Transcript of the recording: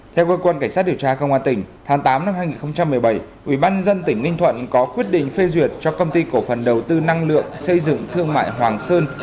theo cơ quan cảnh sát điều tra công an tỉnh tháng tám năm hai nghìn một mươi bảy ubnd tỉnh ninh thuận có quyết định phê duyệt cho công ty cổ phần đầu tư năng lượng xây dựng thương mại hoàng sơn